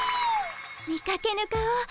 見かけぬ顔。